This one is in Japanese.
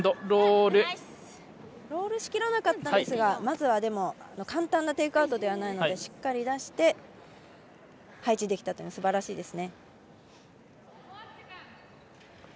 ロールしきらなかったんですがまずは、簡単なテイクアウトではないのでしっかり出して配置できたというのはすばらしいですね。